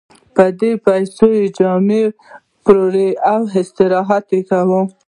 په دې پیسو جامې پېري او استراحت کوي